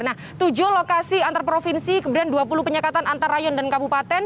nah tujuh lokasi antar provinsi kemudian dua puluh penyekatan antar rayon dan kabupaten